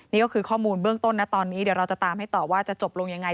นี่ก็คือข้อมูลเบื้องต้นนะตอนนี้เดี๋ยวเราจะตามให้ต่อว่าจะจบลงยังไง